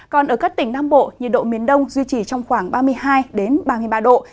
còn ở các tỉnh nam bộ nhiệt độ miền đông duy trì trong khoảng ba mươi hai ba mươi ba độ